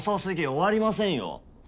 終わりませんよ？